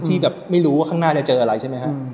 ที่แบบไม่รู้ว่าข้างหน้าจะเจออะไรใช่ไหมฮะ